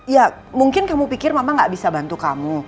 ya mungkin kamu pikir mama gak bisa bantu kamu